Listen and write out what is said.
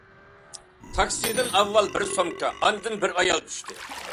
تاكسىدىن ئاۋۋال بىر سومكا، ئاندىن بىر ئايال چۈشتى.